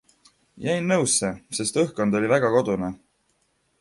Jäin nõusse, sest õhkkond oli väga kodune.